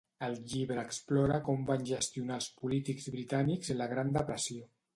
El llibre explora com van gestionar els polítics britànics la Gran depressió.